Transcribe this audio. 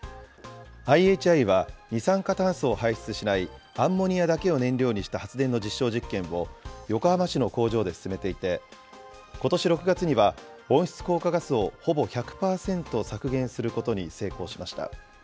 ＩＨＩは二酸化炭素を排出しないアンモニアだけを燃料にした発電の実証実験を、横浜市の工場で進めていて、ことし６月には、温室効果ガスをほぼ１００％削減することに成功しました。